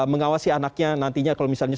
mengawasi anaknya nantinya kalau misalnya